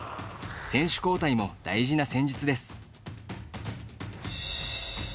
選手交代も大事な戦術です。